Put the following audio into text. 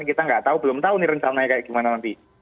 kita nggak tahu belum tahu ini rencana kayak gimana nanti